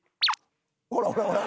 ほらほらほら！